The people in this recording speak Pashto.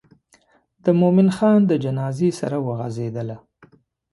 د مومن خان د جنازې سره وغزېدله.